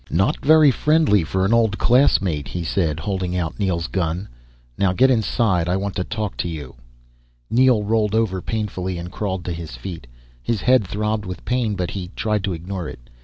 "Not very friendly for an old classmate," he said, holding out Neel's gun. "Now get inside, I want to talk to you." Neel rolled over painfully and crawled to his feet. His head throbbed with pain, but he tried to ignore it.